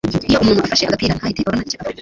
iyo umuntu afashe agapira ntahite abona icyo avuga